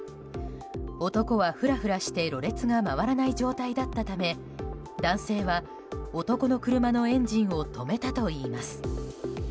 男は、ふらふらしてろれつが回らない状態だったため男性は男の車のエンジンを止めたといいます。